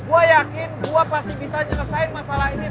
gue yakin gue pasti bisa nyelesain masalah ini